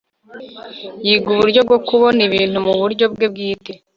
Yiga uburyo bwo kubona ibintu muburyo bwe bwite